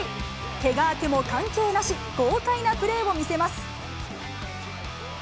けが明けも関係なし、豪快なプレーを見せます。